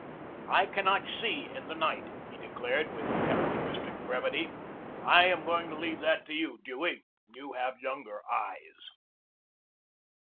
"I cannot see in the night," he declared, with characteristic brevity. "I am going to leave that to you, Dewey. You have younger eyes."